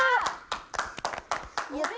やった。